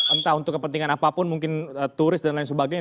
entah untuk kepentingan apapun mungkin turis dan lain sebagainya